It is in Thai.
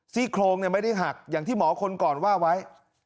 โครงไม่ได้หักอย่างที่หมอคนก่อนว่าไว้